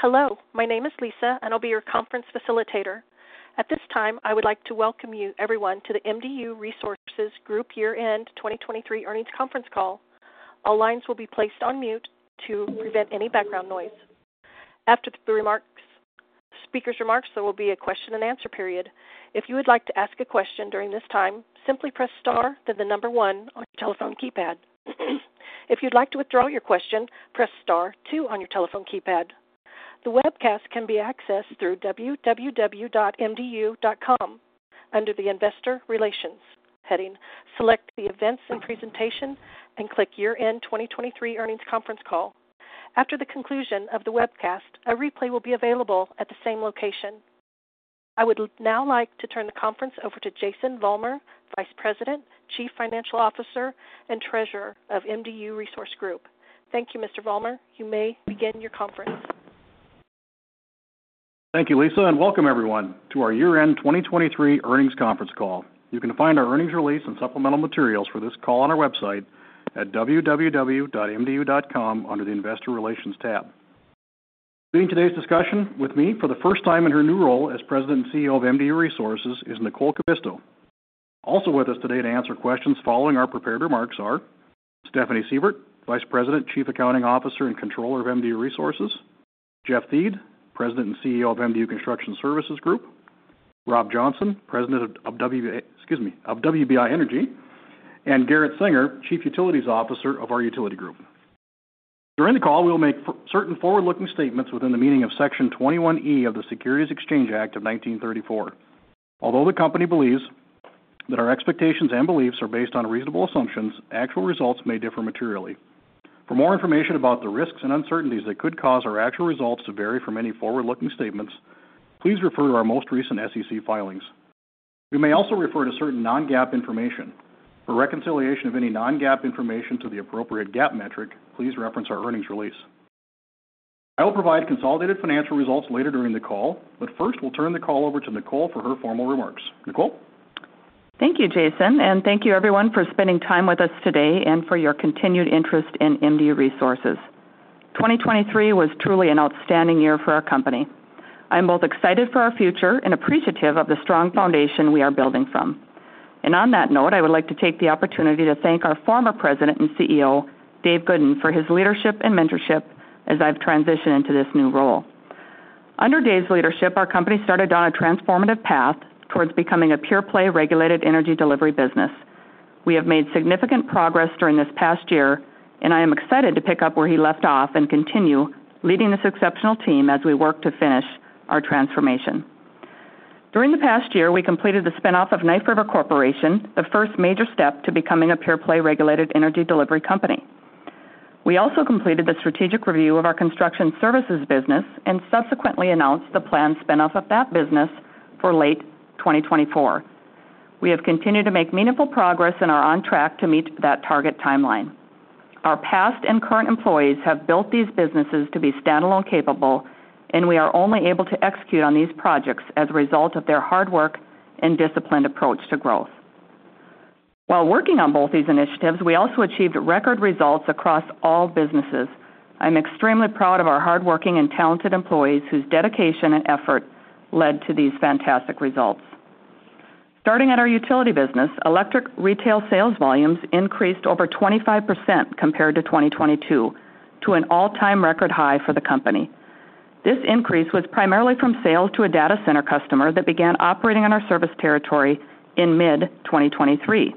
Hello, my name is Lisa and I'll be your conference facilitator. At this time I would like to welcome you everyone to the MDU Resources Group year-end 2023 earnings conference call. All lines will be placed on mute to prevent any background noise. After the speaker's remarks there will be a question and answer period. If you would like to ask a question during this time, simply press star then the number one on your telephone keypad. If you'd like to withdraw your question, press star two on your telephone keypad. The webcast can be accessed through www.mdu.com. Under the Investor Relations heading, select the Events and Presentations and click Year-End 2023 Earnings Conference Call. After the conclusion of the webcast, a replay will be available at the same location. I would now like to turn the conference over to Jason Vollmer, Vice President, Chief Financial Officer and Treasurer of MDU Resources Group. Thank you, Mr. Vollmer, you may begin your conference. Thank you, Lisa, and welcome everyone to our year-end 2023 earnings conference call. You can find our earnings release and supplemental materials for this call on our website at www.mdu.com under the Investor Relations tab. Joining today's discussion with me for the first time in her new role as President and CEO of MDU Resources is Nicole Kivisto. Also with us today to answer questions following our prepared remarks are Stephanie Sievert, Vice President, Chief Accounting Officer and Controller of MDU Resources; Jeff Thiede, President and CEO of MDU Construction Services Group; Rob Johnson, President of WBI Energy; and Garret Senger, Chief Utilities Officer of our Utility group. During the call we will make certain forward-looking statements within the meaning of Section 21E of the Securities Exchange Act of 1934. Although the company believes that our expectations and beliefs are based on reasonable assumptions, actual results may differ materially. For more information about the risks and uncertainties that could cause our actual results to vary from any forward-looking statements please refer to our most recent SEC filings. We may also refer to certain non-GAAP information. For reconciliation of any non-GAAP information to the appropriate GAAP metric please reference our earnings release. I will provide consolidated financial results later during the call but first we'll turn the call over to Nicole for her formal remarks. Nicole? Thank you Jason and thank you everyone for spending time with us today and for your continued interest in MDU Resources. 2023 was truly an outstanding year for our company. I am both excited for our future and appreciative of the strong foundation we are building from. And on that note I would like to take the opportunity to thank our former President and CEO Dave Goodin for his leadership and mentorship as I've transitioned into this new role. Under Dave's leadership our company started on a transformative path towards becoming a pure-play regulated energy delivery business. We have made significant progress during this past year and I am excited to pick up where he left off and continue leading this exceptional team as we work to finish our transformation. During the past year we completed the spin-off of Knife River Corporation, the first major step to becoming a pure-play regulated energy delivery company. We also completed the strategic review of our Construction Services business and subsequently announced the planned spin-off of that business for late 2024. We have continued to make meaningful progress and are on track to meet that target timeline. Our past and current employees have built these businesses to be standalone capable and we are only able to execute on these projects as a result of their hard work and disciplined approach to growth. While working on both these initiatives we also achieved record results across all businesses. I am extremely proud of our hard-working and talented employees whose dedication and effort led to these fantastic results. Starting at our Utility business electric retail sales volumes increased over 25% compared to 2022 to an all-time record high for the company. This increase was primarily from sales to a data center customer that began operating on our service territory in mid-2023.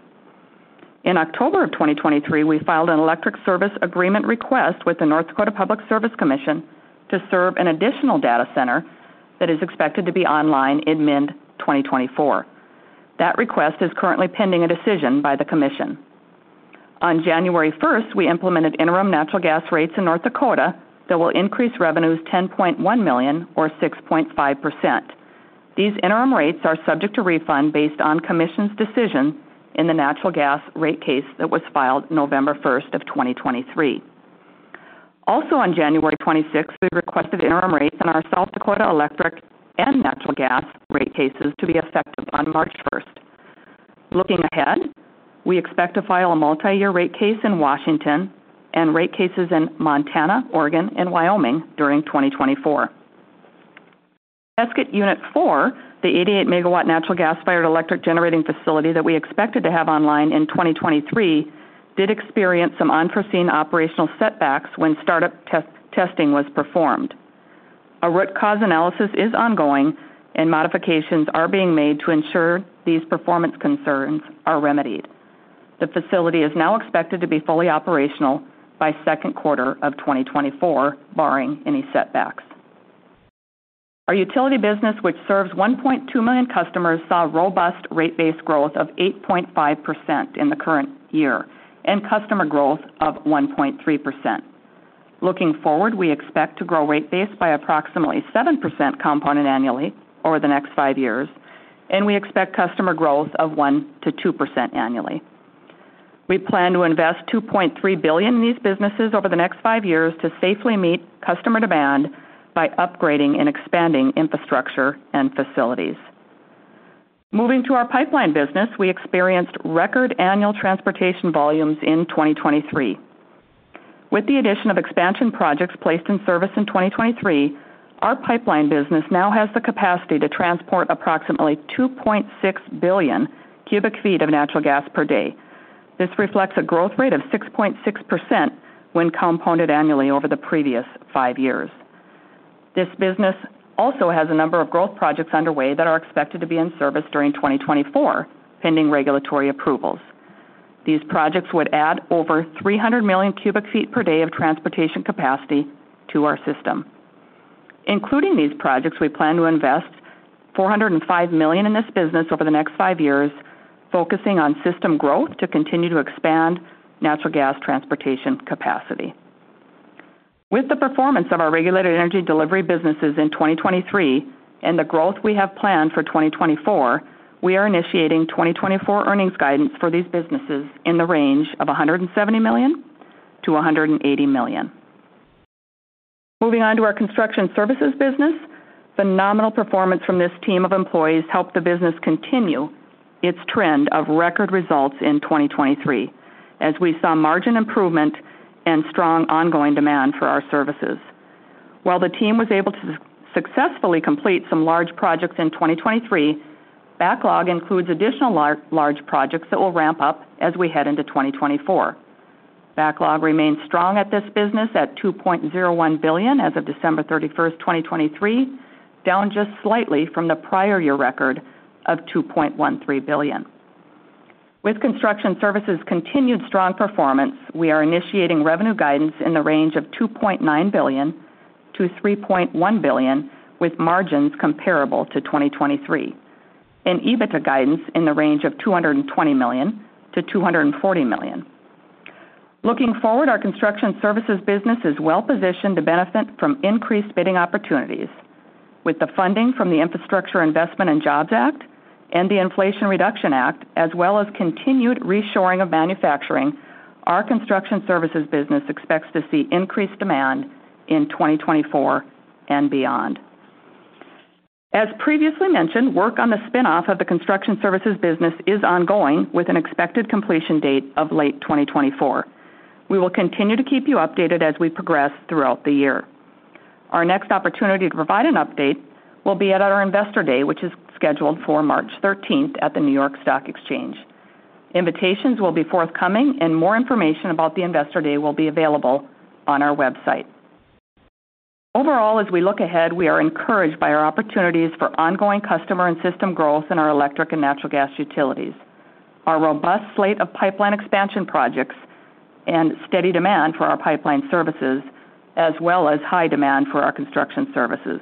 In October of 2023 we filed an electric service agreement request with the North Dakota Public Service Commission to serve an additional data center that is expected to be online in mid-2024. That request is currently pending a decision by the Commission. On January 1st we implemented interim natural gas rates in North Dakota that will increase revenues $10.1 million or 6.5%. These interim rates are subject to refund based on Commission's decision in the natural gas rate case that was filed November 1st of 2023. Also on January 26th we requested interim rates on our South Dakota electric and natural gas rate cases to be effective on March 1st. Looking ahead we expect to file a multi-year rate case in Washington and rate cases in Montana, Oregon, and Wyoming during 2024. Heskett Unit IV, the 88 MW natural gas fired electric generating facility that we expected to have online in 2023 did experience some unforeseen operational setbacks when startup testing was performed. A root cause analysis is ongoing and modifications are being made to ensure these performance concerns are remedied. The facility is now expected to be fully operational by second quarter of 2024 barring any setbacks. Our Utility business which serves 1.2 million customers saw robust rate-based growth of 8.5% in the current year and customer growth of 1.3%. Looking forward, we expect to grow rate base by approximately 7% compounded annually over the next five years and we expect customer growth of 1%-2% annually. We plan to invest $2.3 billion in these businesses over the next five years to safely meet customer demand by upgrading and expanding infrastructure and facilities. Moving to our Pipeline business, we experienced record annual transportation volumes in 2023. With the addition of expansion projects placed in service in 2023, our Pipeline business now has the capacity to transport approximately 2.6 billion cubic feet of natural gas per day. This reflects a growth rate of 6.6% when compounded annually over the previous five years. This business also has a number of growth projects underway that are expected to be in service during 2024 pending regulatory approvals. These projects would add over 300 million cubic feet per day of transportation capacity to our system. Including these projects, we plan to invest $405 million in this business over the next five years focusing on system growth to continue to expand natural gas transportation capacity. With the performance of our regulated energy delivery businesses in 2023 and the growth we have planned for 2024, we are initiating 2024 earnings guidance for these businesses in the range of $170 million-$180 million. Moving on to our Construction Services business, phenomenal performance from this team of employees helped the business continue its trend of record results in 2023 as we saw margin improvement and strong ongoing demand for our services. While the team was able to successfully complete some large projects in 2023, backlog includes additional large projects that will ramp up as we head into 2024. Backlog remains strong at this business at $2.01 billion as of December 31st, 2023, down just slightly from the prior year record of $2.13 billion. With Construction Services continued strong performance we are initiating revenue guidance in the range of $2.9 billion-$3.1 billion with margins comparable to 2023 and EBITDA guidance in the range of $220 million-$240 million. Looking forward, our Construction Services business is well positioned to benefit from increased bidding opportunities. With the funding from the Infrastructure Investment and Jobs Act and the Inflation Reduction Act as well as continued reshoring of manufacturing, our Construction Services business expects to see increased demand in 2024 and beyond. As previously mentioned, work on the spin-off of the Construction Services business is ongoing with an expected completion date of late 2024. We will continue to keep you updated as we progress throughout the year. Our next opportunity to provide an update will be at our Investor Day which is scheduled for March 13th at the New York Stock Exchange. Invitations will be forthcoming and more information about the Investor Day will be available on our website. Overall as we look ahead we are encouraged by our opportunities for ongoing customer and system growth in our electric and natural gas utilities. Our robust slate of pipeline expansion projects and steady demand for our pipeline services as well as high demand for our Construction Services.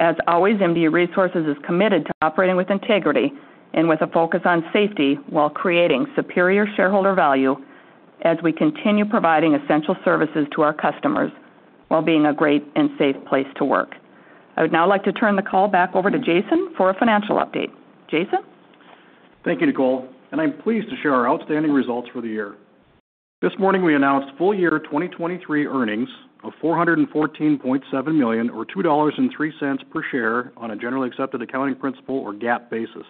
As always MDU Resources is committed to operating with integrity and with a focus on safety while creating superior shareholder value as we continue providing essential services to our customers while being a great and safe place to work. I would now like to turn the call back over to Jason for a financial update. Jason? Thank you Nicole and I'm pleased to share our outstanding results for the year. This morning we announced full year 2023 earnings of $414.7 million or $2.03 per share on a generally accepted accounting principle or GAAP basis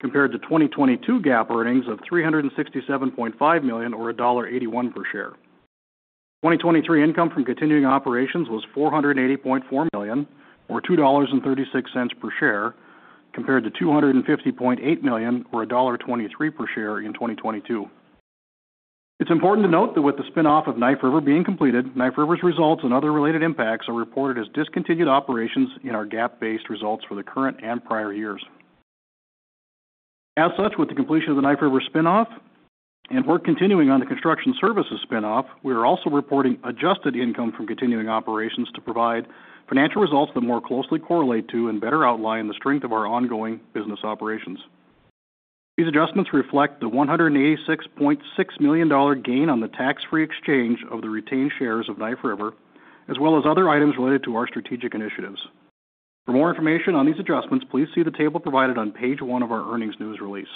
compared to 2022 GAAP earnings of $367.5 million or $1.81 per share. 2023 income from continuing operations was $480.4 million or $2.36 per share compared to $250.8 million or $1.23 per share in 2022. It's important to note that with the spin-off of Knife River being completed Knife River's results and other related impacts are reported as discontinued operations in our GAAP-based results for the current and prior years. As such, with the completion of the Knife River spin-off and work continuing on the Construction Services spin-off, we are also reporting adjusted income from continuing operations to provide financial results that more closely correlate to and better outline the strength of our ongoing business operations. These adjustments reflect the $186.6 million gain on the tax-free exchange of the retained shares of Knife River as well as other items related to our strategic initiatives. For more information on these adjustments, please see the table provided on page one of our earnings news release.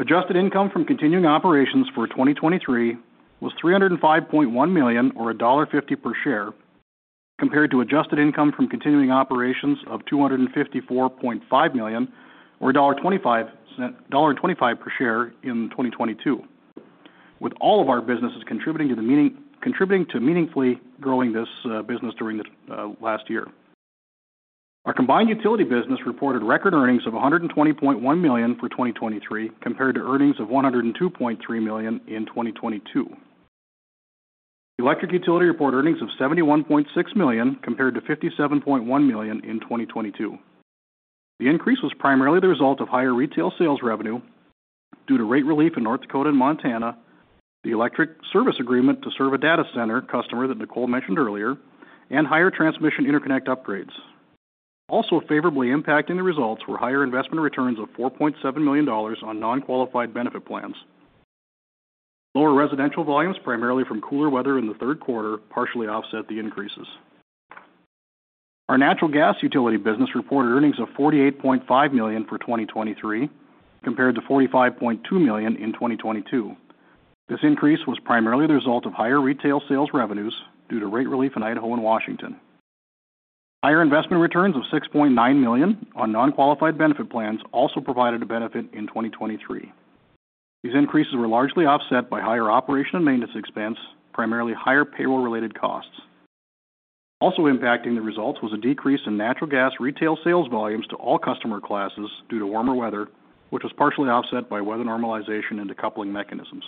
Adjusted income from continuing operations for 2023 was $305.1 million or $1.50 per share compared to adjusted income from continuing operations of $254.5 million or $1.25 per share in 2022. With all of our businesses contributing to meaningfully growing this business during the last year. Our combined Utility business reported record earnings of $120.1 million for 2023 compared to earnings of $102.3 million in 2022. Electric utility reported earnings of $71.6 million compared to $57.1 million in 2022. The increase was primarily the result of higher retail sales revenue due to rate relief in North Dakota and Montana, the electric service agreement to serve a data center customer that Nicole mentioned earlier, and higher transmission interconnect upgrades. Also favorably impacting the results were higher investment returns of $4.7 million on non-qualified benefit plans. Lower residential volumes primarily from cooler weather in the third quarter partially offset the increases. Our natural gas utility business reported earnings of $48.5 million for 2023 compared to $45.2 million in 2022. This increase was primarily the result of higher retail sales revenues due to rate relief in Idaho and Washington. Higher investment returns of $6.9 million on non-qualified benefit plans also provided a benefit in 2023. These increases were largely offset by higher operation and maintenance expense primarily higher payroll-related costs. Also impacting the results was a decrease in natural gas retail sales volumes to all customer classes due to warmer weather, which was partially offset by weather normalization and decoupling mechanisms.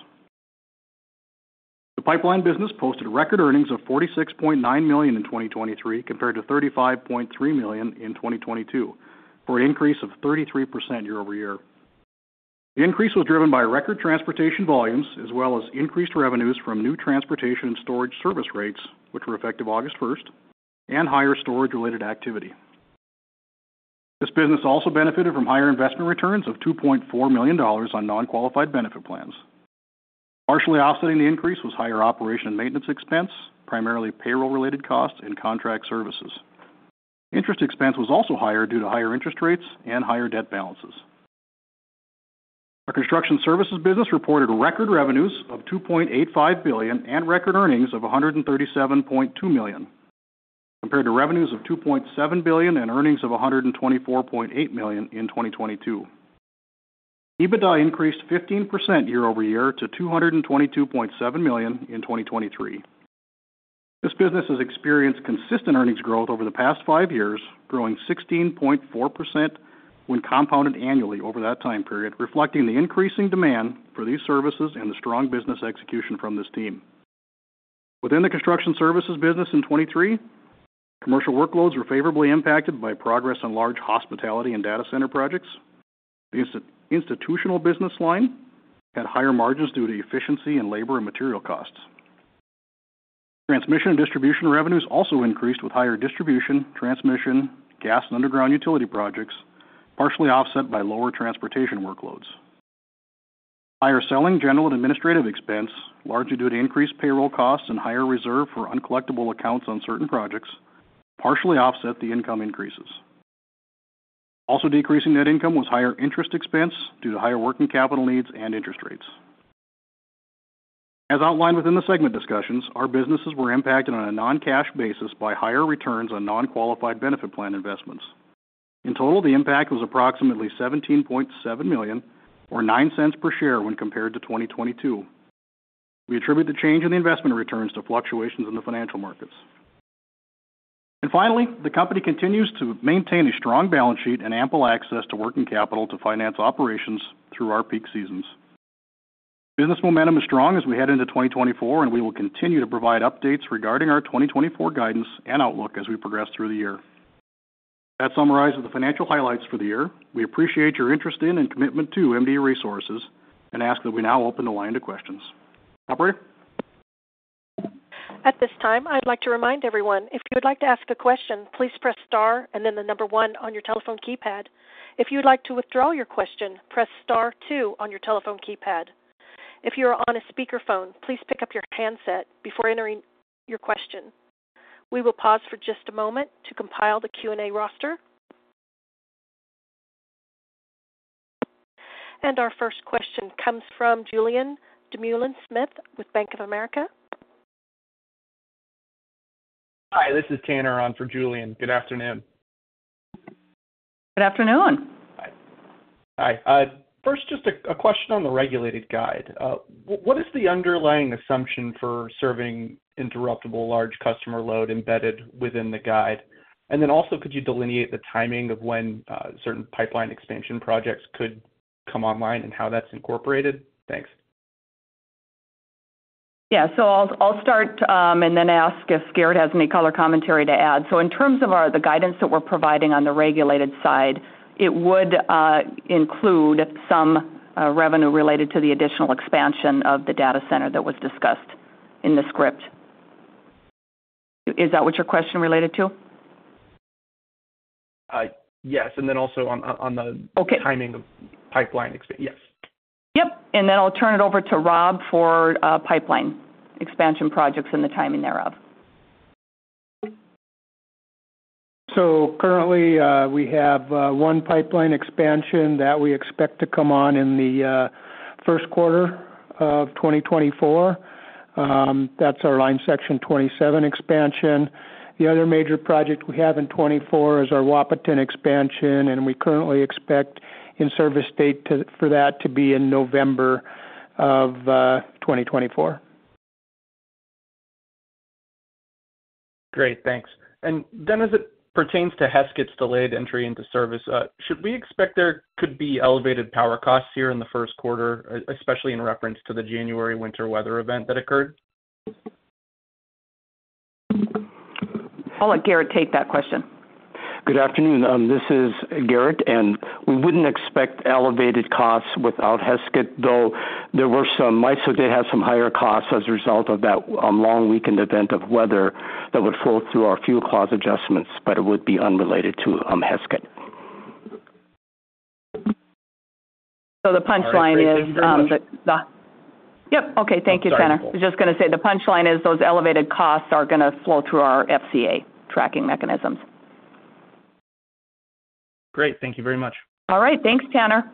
The Pipeline business posted record earnings of $46.9 million in 2023 compared to $35.3 million in 2022 for an increase of 33% year-over-year. The increase was driven by record transportation volumes as well as increased revenues from new transportation and storage service rates, which were effective August 1st, and higher storage-related activity. This business also benefited from higher investment returns of $2.4 million on non-qualified benefit plans. Partially offsetting the increase was higher operation and maintenance expense primarily payroll-related costs and contract services. Interest expense was also higher due to higher interest rates and higher debt balances. Our Construction Services business reported record revenues of $2.85 billion and record earnings of $137.2 million compared to revenues of $2.7 billion and earnings of $124.8 million in 2022. EBITDA increased 15% year-over-year to $222.7 million in 2023. This business has experienced consistent earnings growth over the past five years growing 16.4% when compounded annually over that time period reflecting the increasing demand for these services and the strong business execution from this team. Within the Construction Services business in 2023 commercial workloads were favorably impacted by progress on large hospitality and data center projects. The institutional business line had higher margins due to efficiency and labor and material costs. Transmission and distribution revenues also increased with higher distribution, transmission, gas, and underground utility projects partially offset by lower transportation workloads. Higher selling, general, and administrative expense largely due to increased payroll costs and higher reserve for uncollectible accounts on certain projects partially offset the income increases. Also decreasing net income was higher interest expense due to higher working capital needs and interest rates. As outlined within the segment discussions, our businesses were impacted on a non-cash basis by higher returns on non-qualified benefit plan investments. In total, the impact was approximately $17.7 million or $0.09 per share when compared to 2022. We attribute the change in the investment returns to fluctuations in the financial markets. Finally, the company continues to maintain a strong balance sheet and ample access to working capital to finance operations through our peak seasons. Business momentum is strong as we head into 2024 and we will continue to provide updates regarding our 2024 guidance and outlook as we progress through the year. That summarizes the financial highlights for the year. We appreciate your interest in and commitment to MDU Resources and ask that we now open the line to questions. Operator? At this time I'd like to remind everyone if you would like to ask a question please press star and then the number one on your telephone keypad. If you would like to withdraw your question press star two on your telephone keypad. If you are on a speakerphone please pick up your handset before entering your question. We will pause for just a moment to compile the Q&A roster and our first question comes from Julian Dumoulin-Smith with Bank of America. Hi, this is Tanner on for Julian. Good afternoon. Good afternoon. Hi. First, just a question on the regulated guide. What is the underlying assumption for serving interruptible large customer load embedded within the guide, and then also could you delineate the timing of when certain pipeline expansion projects could come online and how that's incorporated? Thanks. Yeah, so I'll start and then ask if Garret has any color commentary to add. So, in terms of the guidance that we're providing on the regulated side, it would include some revenue related to the additional expansion of the data center that was discussed in the script. Is that what your question related to? Yes, and then also on the timing of pipeline, yes. Yep and then I'll turn it over to Rob for pipeline expansion projects and the timing thereof. So currently we have one pipeline expansion that we expect to come on in the first quarter of 2024. That's our Line Section 27 Expansion. The other major project we have in 2024 is our Wahpeton Expansion and we currently expect in service date for that to be in November of 2024. Great thanks. And then as it pertains to Heskett's delayed entry into service, should we expect there could be elevated power costs here in the first quarter, especially in reference to the January winter weather event that occurred? I'll let Garret take that question. Good afternoon, this is Garret, and we wouldn't expect elevated costs without Heskett, though there were some. MISO did have some higher costs as a result of that long weekend event of weather that would flow through our fuel clause adjustments, but it would be unrelated to Heskett. So the punchline is. Yep, okay. Thank you, Tanner. I was just going to say the punchline is those elevated costs are going to flow through our FCA tracking mechanisms. Great, thank you very much. All right, thanks Tanner.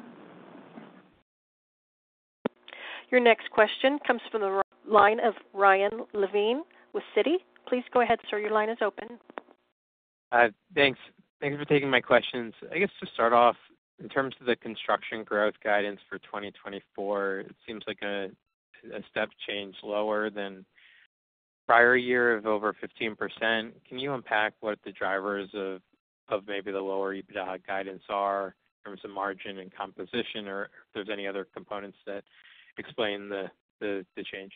Your next question comes from the line of Ryan Levine with Citi. Please go ahead, sir. Your line is open. Thanks. Thanks for taking my questions. I guess to start off in terms of the construction growth guidance for 2024 it seems like a step change lower than prior year of over 15%. Can you unpack what the drivers of maybe the lower EBITDA guidance are in terms of margin and composition or if there's any other components that explain the change?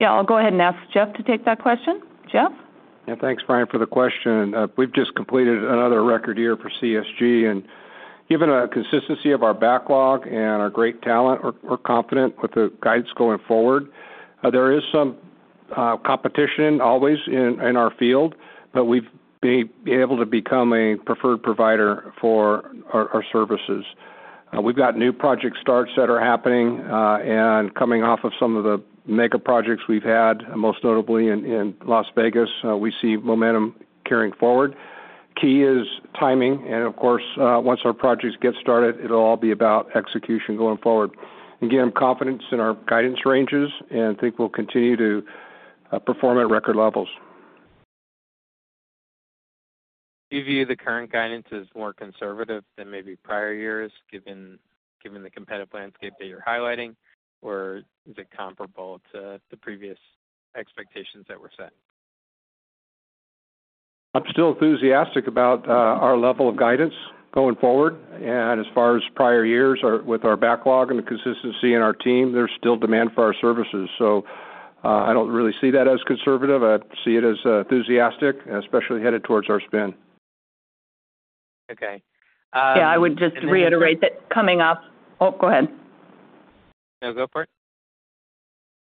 Yeah, I'll go ahead and ask Jeff to take that question. Jeff? Yeah thanks Brian for the question. We've just completed another record year for CSG and given the consistency of our backlog and our great talent we're confident with the guidance going forward. There is some competition always in our field but we've been able to become a preferred provider for our services. We've got new project starts that are happening and coming off of some of the mega projects we've had most notably in Las Vegas. We see momentum carrying forward. Key is timing and of course once our projects get started it'll all be about execution going forward. Again I'm confident in our guidance ranges and think we'll continue to perform at record levels. Do you view the current guidance as more conservative than maybe prior years given the competitive landscape that you're highlighting or is it comparable to the previous expectations that were set? I'm still enthusiastic about our level of guidance going forward and as far as prior years with our backlog and the consistency in our team there's still demand for our services so I don't really see that as conservative. I see it as enthusiastic especially headed towards our spin. Okay. Yeah, I would just reiterate that coming off. Oh, go ahead. Yeah go for it.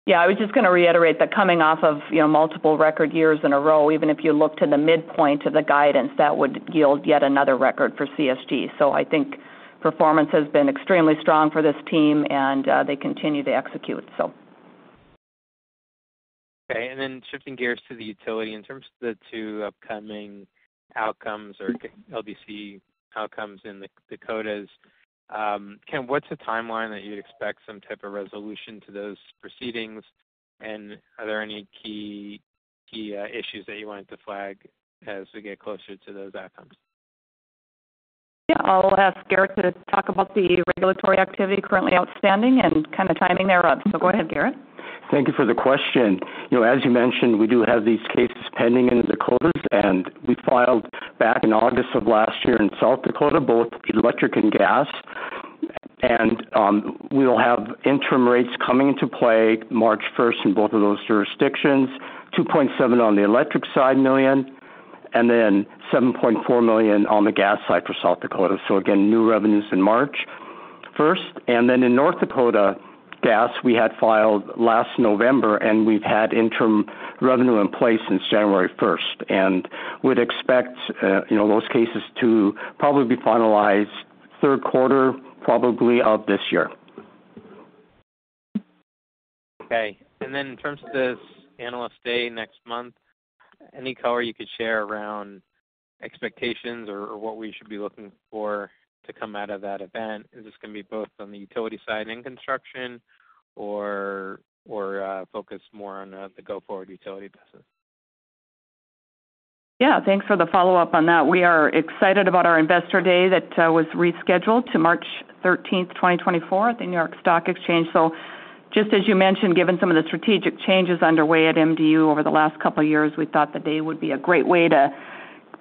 Yeah, I was just going to reiterate that coming off of multiple record years in a row, even if you look to the midpoint of the guidance, that would yield yet another record for CSG. So, I think performance has been extremely strong for this team and they continue to execute so. Okay and then shifting gears to the Utility in terms of the two upcoming outcomes or LDC outcomes in Dakotas, what's the timeline that you'd expect some type of resolution to those proceedings, and are there any key issues that you wanted to flag as we get closer to those outcomes? Yeah, I'll ask Garret to talk about the regulatory activity currently outstanding and kind of timing thereof. So, go ahead, Garret. Thank you for the question. As you mentioned we do have these cases pending in Dakotas and we filed back in August of last year in South Dakota both electric and gas and we'll have interim rates coming into play March 1 in both of those jurisdictions. $2.7 million on the electric side and then $7.4 million on the gas side for South Dakota. So again new revenues in March 1st and then in North Dakota gas we had filed last November and we've had interim revenue in place since January 1 and would expect those cases to probably be finalized third quarter probably of this year. Okay, and then in terms of this Analyst Day next month, any color you could share around expectations or what we should be looking for to come out of that event? Is this going to be both on the utility side in Construction or focus more on the go-forward Utility business? Yeah, thanks for the follow-up on that. We are excited about our investor day that was rescheduled to March 13th, 2024 at the New York Stock Exchange. So just as you mentioned, given some of the strategic changes underway at MDU over the last couple of years, we thought the day would be a great way to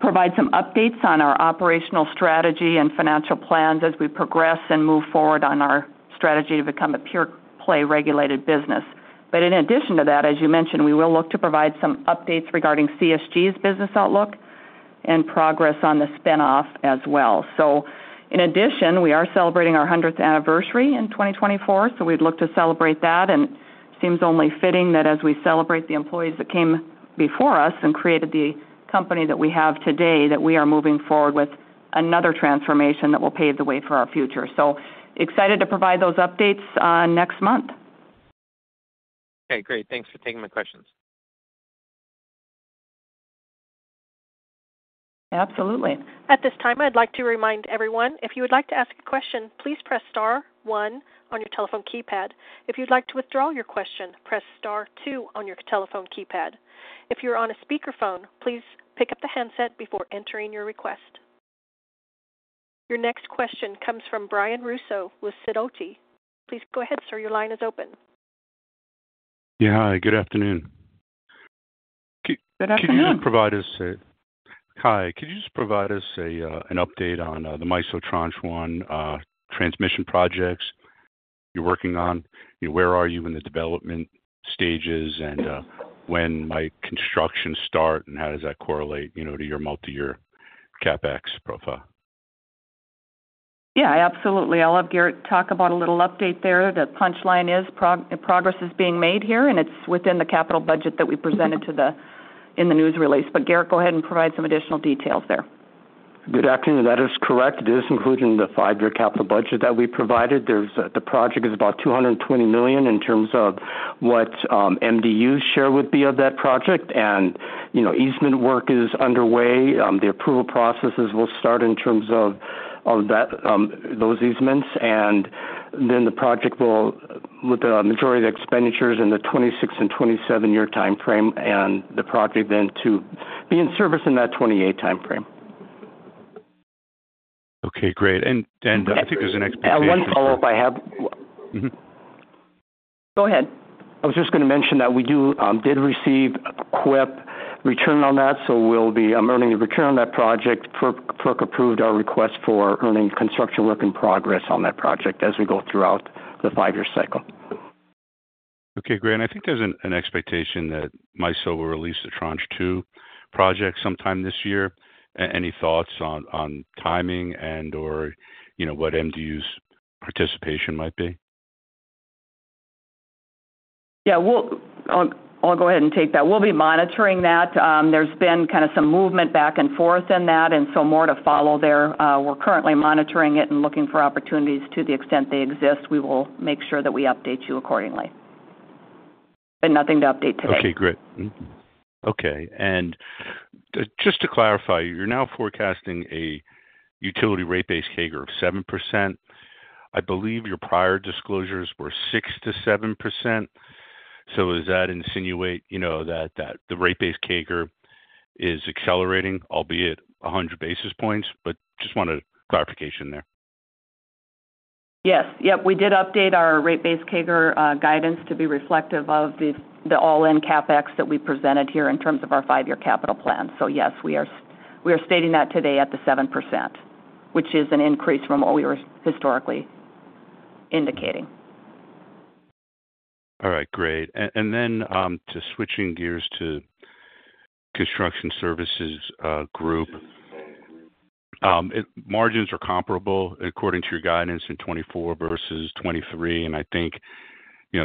provide some updates on our operational strategy and financial plans as we progress and move forward on our strategy to become a pure play regulated business. But in addition to that, as you mentioned, we will look to provide some updates regarding CSG's business outlook and progress on the spinoff as well. So in addition, we are celebrating our 100th anniversary in 2024, so we'd look to celebrate that, and it seems only fitting that as we celebrate the employees that came before us and created the company that we have today, that we are moving forward with another transformation that will pave the way for our future. So excited to provide those updates next month. Okay great. Thanks for taking my questions. Absolutely. At this time I'd like to remind everyone if you would like to ask a question please press star one on your telephone keypad. If you'd like to withdraw your question press star two on your telephone keypad. If you're on a speakerphone please pick up the handset before entering your request. Your next question comes from Brian Russo with Sidoti. Please go ahead sir your line is open. Yeah, hi. Good afternoon. Good afternoon. Could you just provide us an update on the MISO Tranche 1 transmission projects you're working on? Where are you in the development stages and when might construction start and how does that correlate to your multi-year CapEx profile? Yeah, absolutely. I'll have Garret talk about a little update there. The punchline is progress is being made here and it's within the capital budget that we presented to the in the news release. But Garret, go ahead and provide some additional details there. Good afternoon. That is correct. It is included in the five-year capital budget that we provided. The project is about $220 million in terms of what MDU's share would be of that project and easement work is underway. The approval processes will start in terms of those easements and then the project will with the majority of the expenditures in the 2026 and 2027-year time frame and the project then to be in service in that 2028 time frame. Okay, great. I think there's an expectation. One follow-up I have. Go ahead. I was just going to mention that we did receive a CWIP return on that so we'll be earning the return on that project. FERC approved our request for earning construction work in progress on that project as we go throughout the five-year cycle. Okay great. I think there's an expectation that MISO will release the Tranche 2 project sometime this year. Any thoughts on timing and/or what MDU's participation might be? Yeah, we'll go ahead and take that. We'll be monitoring that. There's been kind of some movement back and forth in that and so more to follow there. We're currently monitoring it and looking for opportunities to the extent they exist. We will make sure that we update you accordingly. But nothing to update today. Okay great. Okay and just to clarify you're now forecasting a Utility rate-based CAGR of 7%. I believe your prior disclosures were 6%-7%. So does that insinuate that the rate-based CAGR is accelerating albeit 100 basis points? But just wanted clarification there. Yes, yep, we did update our rate-based CAGR guidance to be reflective of the all-in CapEx that we presented here in terms of our five-year capital plan. So yes, we are stating that today at the 7% which is an increase from what we were historically indicating. All right, great. And then just switching gears to Construction Services Group. Margins are comparable according to your guidance in 2024 versus 2023 and I think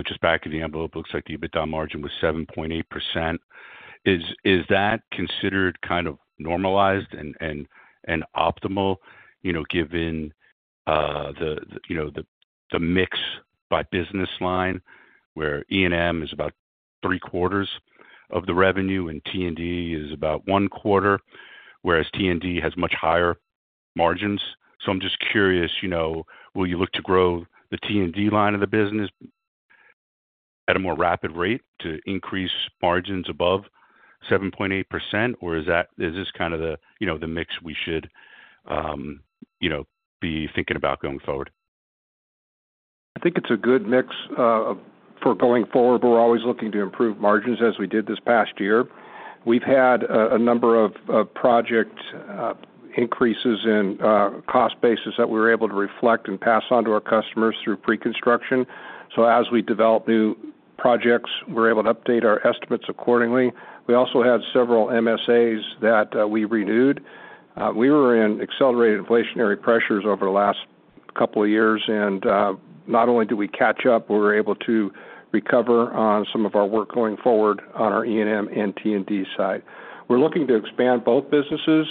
just back-of-the-envelope it looks like the EBITDA margin was 7.8%. Is that considered kind of normalized and optimal given the mix by business line where E&M is about 3/4 of the revenue and T&D is about 1/4 whereas T&D has much higher margins? So I'm just curious will you look to grow the T&D line of the business at a more rapid rate to increase margins above 7.8% or is this kind of the mix we should be thinking about going forward? I think it's a good mix for going forward. We're always looking to improve margins as we did this past year. We've had a number of project increases in cost bases that we were able to reflect and pass on to our customers through pre-construction. So as we develop new projects we're able to update our estimates accordingly. We also had several MSAs that we renewed. We were in accelerated inflationary pressures over the last couple of years and not only did we catch up we were able to recover on some of our work going forward on our E&M and T&D side. We're looking to expand both businesses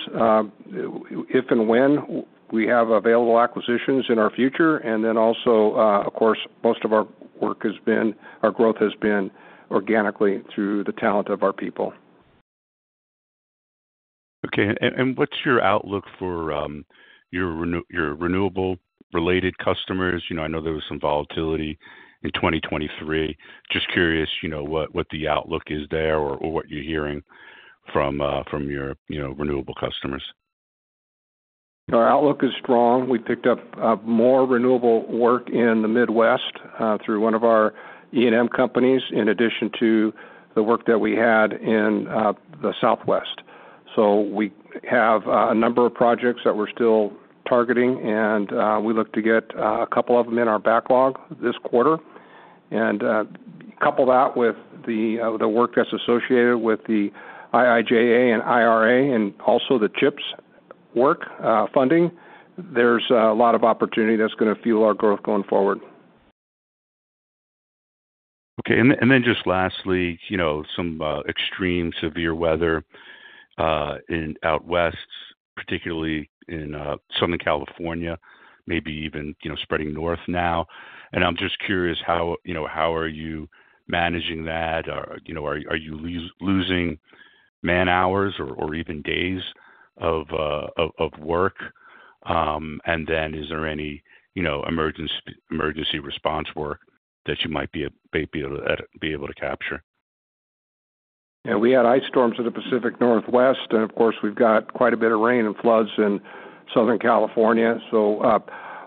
if and when we have available acquisitions in our future and then also of course most of our work has been our growth has been organically through the talent of our people. Okay, and what's your outlook for your renewable-related customers? I know there was some volatility in 2023. Just curious what the outlook is there or what you're hearing from your renewable customers. Our outlook is strong. We picked up more renewable work in the Midwest through one of our E&M companies in addition to the work that we had in the Southwest. So we have a number of projects that we're still targeting and we look to get a couple of them in our backlog this quarter and couple that with the work that's associated with the IIJA and IRA and also the CHIPS work funding. There's a lot of opportunity that's going to fuel our growth going forward. Okay, and then just lastly, some extreme severe weather out west, particularly in Southern California, maybe even spreading north now. And I'm just curious, how are you managing that? Are you losing man-hours or even days of work? And then, is there any emergency response work that you might be able to capture? Yeah, we had ice storms in the Pacific Northwest and of course we've got quite a bit of rain and floods in Southern California. So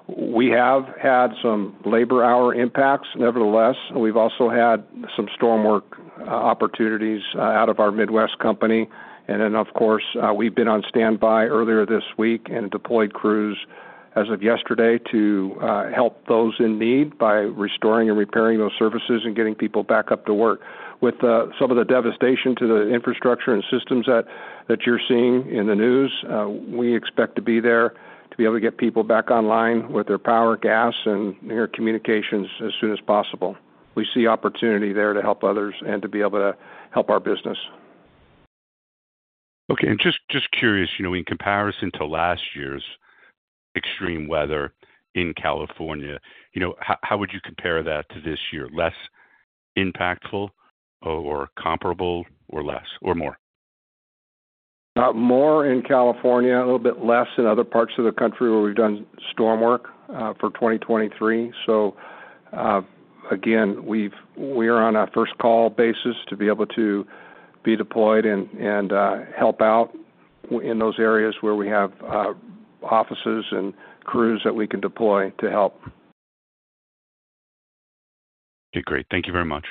we have had some labor-hour impacts nevertheless. We've also had some storm work opportunities out of our Midwest company and then of course we've been on standby earlier this week and deployed crews as of yesterday to help those in need by restoring and repairing those services and getting people back up to work. With some of the devastation to the infrastructure and systems that you're seeing in the news, we expect to be there to be able to get people back online with their power, gas, and communications as soon as possible. We see opportunity there to help others and to be able to help our business. Okay and just curious in comparison to last year's extreme weather in California how would you compare that to this year? Less impactful or comparable or less or more? More in California a little bit less in other parts of the country where we've done storm work for 2023. So again we are on a first-call basis to be able to be deployed and help out in those areas where we have offices and crews that we can deploy to help. Okay great. Thank you very much.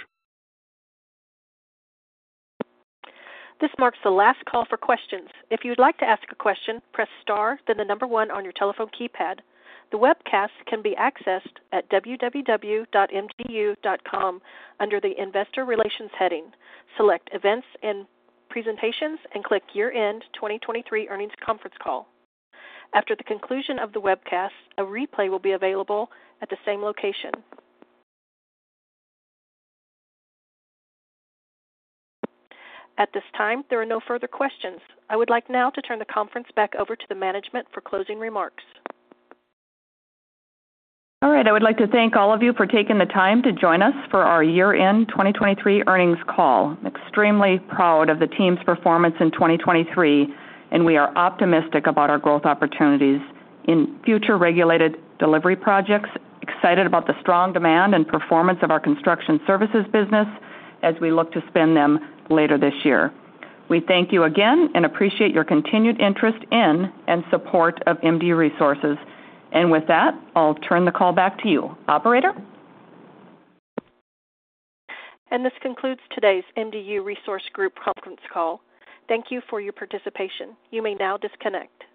This marks the last call for questions. If you would like to ask a question, press star, then the number one on your telephone keypad. The webcast can be accessed at www.mdu.com under the investor relations heading. Select events and presentations and click year-end 2023 earnings conference call. After the conclusion of the webcast, a replay will be available at the same location. At this time, there are no further questions. I would like now to turn the conference back over to the management for closing remarks. All right. I would like to thank all of you for taking the time to join us for our year-end 2023 earnings call. Extremely proud of the team's performance in 2023, and we are optimistic about our growth opportunities in future regulated delivery projects. Excited about the strong demand and performance of our Construction Services business as we look to spin them later this year. We thank you again and appreciate your continued interest in and support of MDU Resources. With that I'll turn the call back to you operator. This concludes today's MDU Resources Group conference call. Thank you for your participation. You may now disconnect.